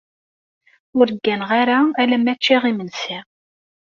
Ur gganeɣ ara alamma ččiɣ imensi.